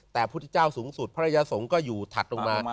แต่พุทธเจ้าสูงสุดภรรยาสงฆ์ก็อยู่ถัดลงมา